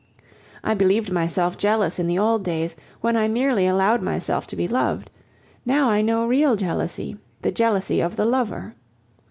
I believed myself jealous in the old days, when I merely allowed myself to be loved; now I know real jealousy, the jealousy of the lover.